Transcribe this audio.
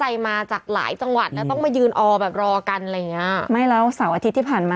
แล้วกลายเป็นว่าคนนั้นก็ไม่แออาจกัน